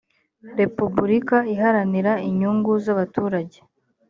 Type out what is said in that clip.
repubulika iharanira inyungu zabaturage.